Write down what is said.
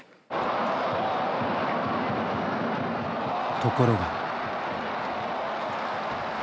ところが。